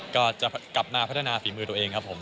ก็จะกลับมาพัฒนาฝีมือตัวเองครับผม